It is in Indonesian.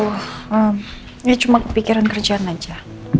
ya cuma kepikiran kerjaan aja